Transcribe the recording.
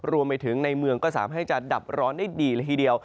รวมไปถึงในเมืองก็สามารถให้จะดับร้อนได้ดีละทีเดียว